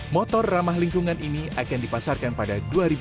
motor ramah lingkungan ini akan dipasarkan pada dua ribu dua puluh